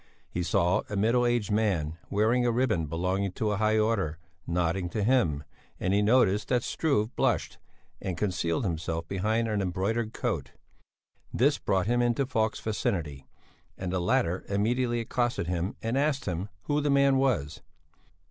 He saw a middle aged man, wearing a ribbon belonging to a high order, nodding to him, and he noticed that Struve blushed and concealed himself behind an embroidered coat. This brought him into Falk's vicinity, and the latter immediately accosted him and asked him who the man was.